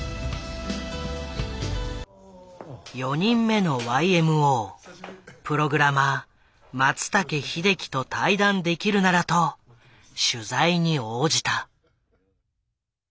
「４人目のＹＭＯ」プログラマー松武秀樹と対談できるならと取材に応じた。